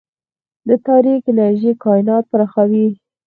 د تاریک انرژي کائنات پراخوي.